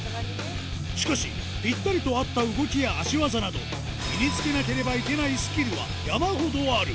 しかし、ぴったりと合った動きや足技など、身につけなければいけないスキルは山ほどある。